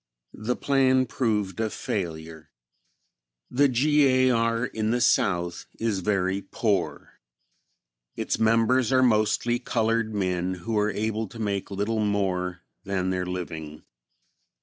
The plan proved a failure. The G. A. R. in the South is very poor. Its members are mostly colored men who are able to make little more than their living.